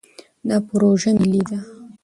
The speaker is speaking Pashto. دا پروژه ملي ده.